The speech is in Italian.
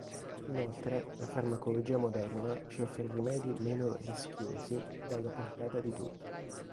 Inoltre, la farmacologia moderna ci offre rimedi meno "rischiosi" ed alla portata di tutti.